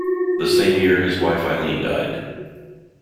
The same year his wife Eileen died.